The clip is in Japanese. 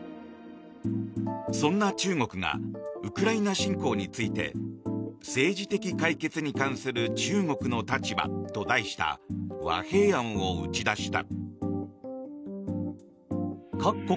そんな中国がウクライナ侵攻について「政治的解決に関する中国の立場」と題した和平案を打ち出した。